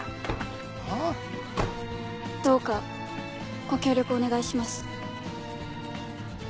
あぁ？どうかご協力お願いします。